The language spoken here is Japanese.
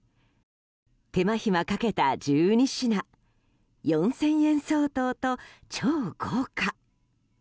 手間暇かけた１２品４０００円相当と超豪華。